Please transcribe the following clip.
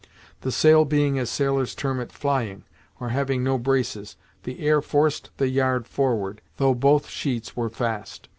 The sail being as sailors term it, flying, or having no braces, the air forced the yard forward, though both sheets were fast.